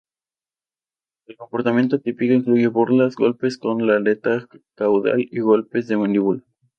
El comportamiento típico incluye burlas, golpes con la aleta caudal y golpes de mandíbula.